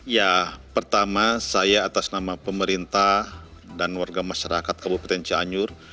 ya pertama saya atas nama pemerintah dan warga masyarakat kabupaten cianjur